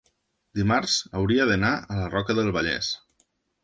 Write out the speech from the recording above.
dimarts hauria d'anar a la Roca del Vallès.